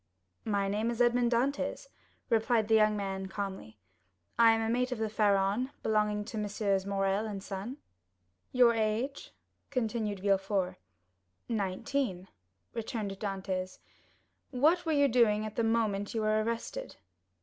"My name is Edmond Dantès," replied the young man calmly; "I am mate of the Pharaon, belonging to Messrs. Morrel & Son." "Your age?" continued Villefort. "Nineteen," returned Dantès. "What were you doing at the moment you were arrested?"